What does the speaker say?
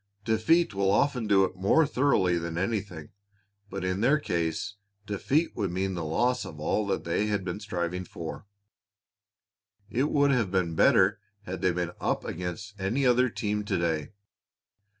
Defeat will often do it more thoroughly than anything, but, in their case, defeat would mean the loss of all they had been striving for. It would have been better had they been up against any other team to day.